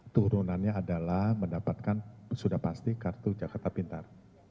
turunannya adalah mendapatkan sudah pasti kartu jakarta pintar